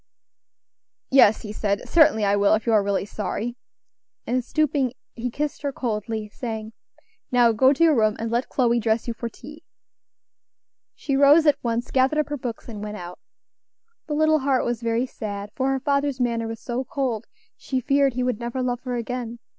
"Yes," he said, "certainly I will, if you are really sorry;" and stooping, he kissed her coldly, saying, "Now go to your room, and let Chloe dress you for tea." She rose at once, gathered up her books, and went out. The little heart was very sad; for her father's manner was so cold she feared he would never love her again.